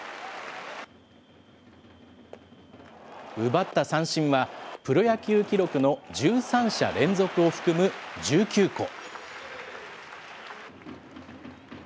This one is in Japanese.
奪った三振はプロ野球記録の１３者連続を含む１９個。